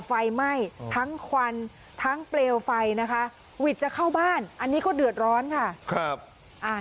ไฟไหม้ทั้งควันทั้งเปลวไฟนะคะวิทย์จะเข้าบ้านอันนี้ก็เดือดร้อนค่ะครับอ่า